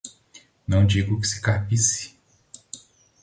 Não digo que se carpisse